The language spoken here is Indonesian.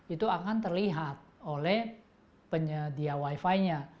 itu akan terlihat oleh penyedia wifi nya